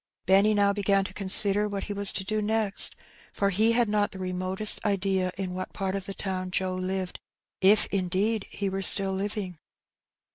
Benny now began to consider what he was to do next, for he had not the remotest idea in what part of the town Joe lived, if indeed he were still living.